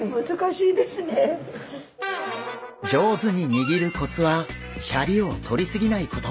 上手に握るコツはシャリをとりすぎないこと。